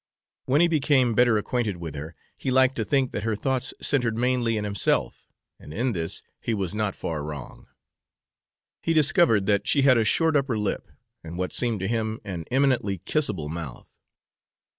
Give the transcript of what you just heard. When he became better acquainted with her, he liked to think that her thoughts centred mainly in himself; and in this he was not far wrong. He discovered that she had a short upper lip, and what seemed to him an eminently kissable mouth.